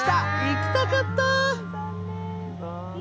行きたかった！